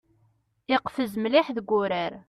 Iqfez mliḥ deg urar.